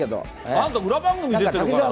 あんた裏番組出てるから。